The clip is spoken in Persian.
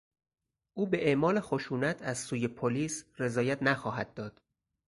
او به اعمال خشونت از سوی پلیس رضایت نخواهد داد.